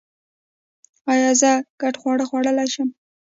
ایا زه ګډ خواړه خوړلی شم؟